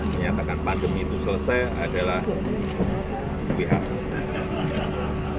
menyatakan pandemi itu selesai adalah who